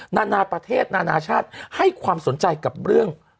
นานาประเทศนานาชาติให้ความสนใจกับเรื่อง